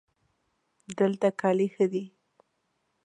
دلته کالي ښه دي